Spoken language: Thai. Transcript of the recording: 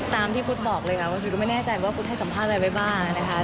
ตามที่พุทธบอกเลยค่ะว่าฟุตก็ไม่แน่ใจว่าพุทธให้สัมภาษณ์อะไรไว้บ้างนะคะ